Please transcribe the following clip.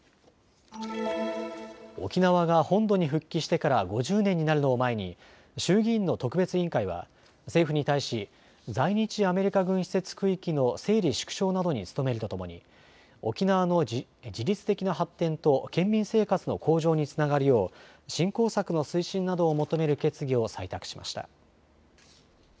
沖縄が本土に復帰してから５０年になるのを前に衆議院の特別委員会は政府に対し、在日アメリカ軍施設区域の整理縮小などに努めるとともに沖縄の自立的な発展と県民生活の向上につながるよう振興策の推進などを求める決議を採択しました。